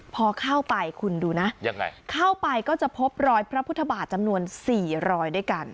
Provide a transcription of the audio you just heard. พอเข้าไปคุณดูนะยังไงเข้าไปก็จะพบรอยพระพุทธบาทจำนวน๔รอยด้วยกัน